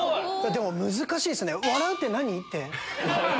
でも難しいっすね。